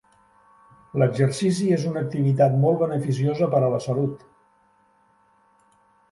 L'exercici és una activitat molt beneficiosa per a la salut.